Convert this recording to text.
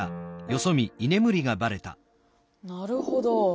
なるほど。